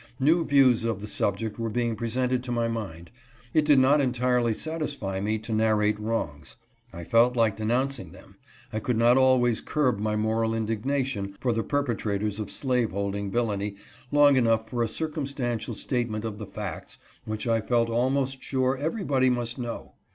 New views of the subject were being presented to my mind. It did not entirely satisfy me to narrate wrongs ; I felt like denouncing them. I could not always curb my moral indignation for the perpetrators of slave holding villainy long enough for a circumstantial state ment of the facts which I felt almost sure everybody must know.